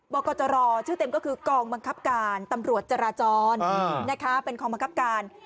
กรจรชื่อเต็มก็คือกองบังคับการตำรวจจราจรเป็นกองบังคับการ